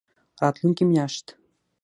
راتلونکې میاشت